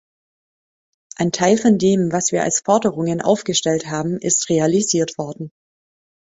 Ein Teil von dem, was wir als Forderungen aufgestellt haben, ist realisiert worden.